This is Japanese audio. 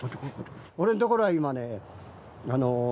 俺んところは今ね。